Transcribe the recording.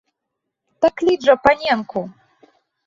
Так кліч жа паненку!